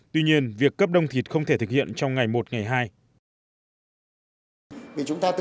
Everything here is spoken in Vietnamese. tuy nhiên việc cấp đông thịt không thể thực hiện trong ngày một ngày hai